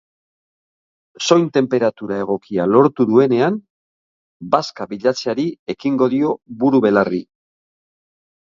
Soin-tenperatura egokia lortu duenean, bazka bilatzeari ekingo dio buru-belarri.